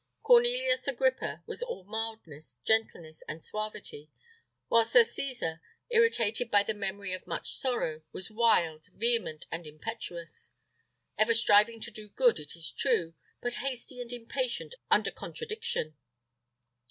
Cornelius Agrippa was all mildness, gentleness, and suavity; while Sir Cesar, irritated by the memory of much sorrow, was wild, vehement, and impetuous; ever striving to do good, it is true, but hasty and impatient under contradiction.